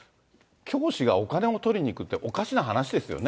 教師がお金を取りに行くっておかしな話ですよね。